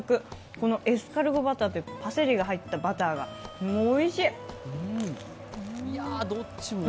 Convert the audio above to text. このエスカルゴバターというパセリが入ったバターがおいしい！